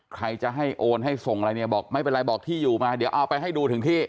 ใครจะให้โอนให้ส่งอะไรเนี่ยบอกไม่เป็นไรบอกที่อยู่มาเดี๋ยวเอาไปให้ดูถึงที่